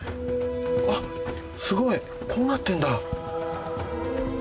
あっすごいこうなってんだ。